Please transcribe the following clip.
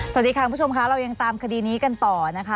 สวัสดีค่ะคุณผู้ชมค่ะเรายังตามคดีนี้กันต่อนะคะ